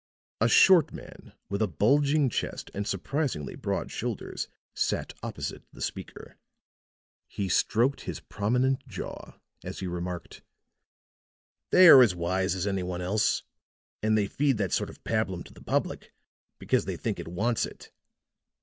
A short man with a bulging chest and surprisingly broad shoulders sat opposite the speaker. He stroked his prominent jaw as he remarked: "They are as wise as any one else, and they feed that sort of pabulum to the public because they think it wants it.